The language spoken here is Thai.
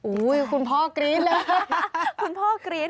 อุ๊ยคุณพ่อกรี๊ดเลย